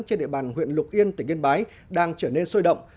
trên địa bàn huyện lục yên tỉnh yên bái đang trở nên sôi động